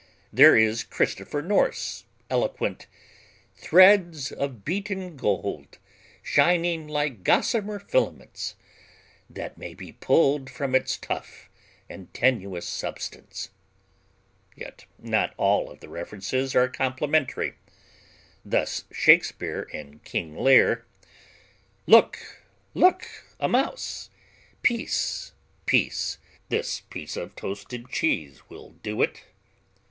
There is Christopher North's eloquent "threads of unbeaten gold, shining like gossamer filaments (that may be pulled from its tough and tenacious substance)." Yet not all of the references are complimentary. Thus Shakespeare in King Lear: Look, look a mouse! Peace, peace; this piece of toasted cheese will do it.